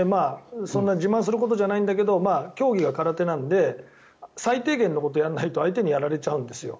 そんな自慢することじゃないんだけど競技が空手なので最低限のことをやらないと相手にやられちゃうんですよ。